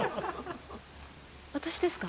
私ですか？